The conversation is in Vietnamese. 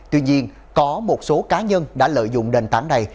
tuy nhiên có một số cá nhân đã lợi dụng nền tảng này